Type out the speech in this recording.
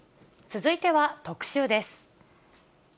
続いては特集です。